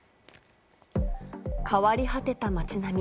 変わり果てた街並み。